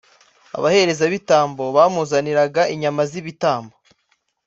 Abaherezabitambo bamuzaniraga inyama z’ibitambo,